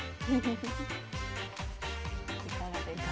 いかがですか？